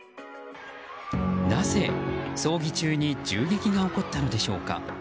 なぜ、葬儀中に銃撃が起こったのでしょうか。